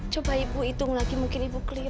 coba ibu hitung lagi mungkin ibu klien